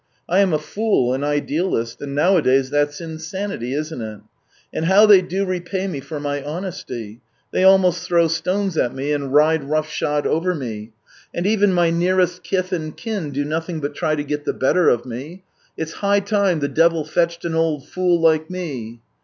I am a fool, an idealist, and nowadays that's insanity, isn't it ? And how do they repay me for my honesty ? They almost throw stones at me and ride rough shod over me. And even my nearest kith and kin do nothing but try to get the better of me. It's high time the devil fetched an old fool like me.